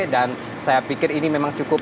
dan saya pikir ini memang cukup